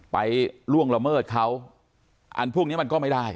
ล่วงละเมิดเขาอันพวกนี้มันก็ไม่ได้